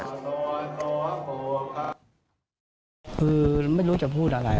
คือไม่รู้จะพูดอะไร